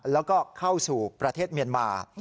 แล้วก็เข้าสู่ประเทศเมียนมา